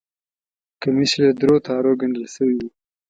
کمیس یې له درو تاوو ګنډل شوی و.